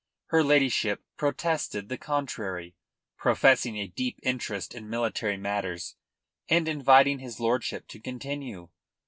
Her ladyship protested the contrary, professing a deep interest in military matters, and inviting his lordship to continue.